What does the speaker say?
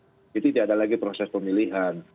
jadi tidak ada lagi proses pemilihan